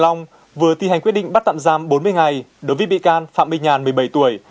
long vừa thi hành quyết định bắt tạm giam bốn mươi ngày đối với bị can phạm minh nhàn một mươi bảy tuổi